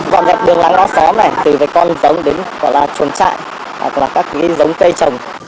gọn gạt đường láng ó xóm này từ con giống đến chuồng trại các giống cây trồng